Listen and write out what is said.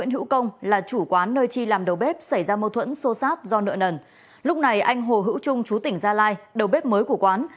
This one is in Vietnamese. hôm nay anh hồ hữu trung chú tỉnh gia lai đầu bếp mới của quán